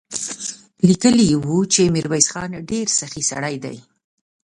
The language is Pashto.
ليکلي يې و چې ميرويس خان ډېر سخي سړی دی.